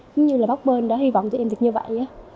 cũng như là bóc bên đó hy vọng tụi em được như vậy